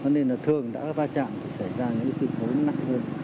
nên là thường đã va chạm thì xảy ra những sự hối nặng hơn